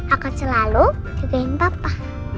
akan selalu jagain papa